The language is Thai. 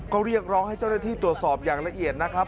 ก็เรียกร้องให้เจ้าหน้าที่ตรวจสอบอย่างละเอียดนะครับ